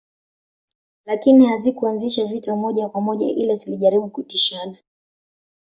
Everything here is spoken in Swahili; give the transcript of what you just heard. Lakini hazikuanzisha vita moja kwa moja ila zilijaribu kutishana